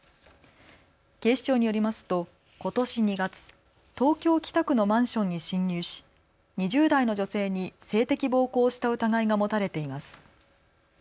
警視庁によりますとことし２月、東京北区のマンションに侵入し２０代の女性に性的暴行をした疑いが持たれています。